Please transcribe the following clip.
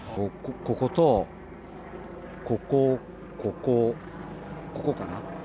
こことここ、ここ、ここかな。